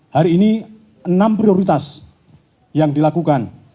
hari ini enam prioritas yang dilakukan